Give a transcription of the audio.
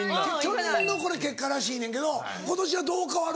去年のこれ結果らしいねんけど今年はどう変わるか。